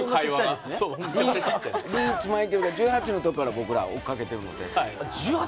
リーチ・マイケルが１８のときから僕、追っかけているので。